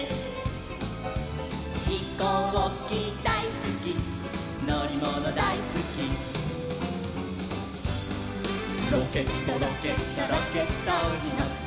「ひこうきだいすきのりものだいすき」「ロケットロケットロケットにのって」